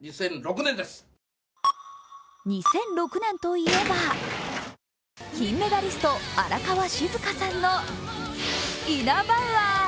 ２００６年といえば、金メダリスト荒川静香さんのイナバウアー。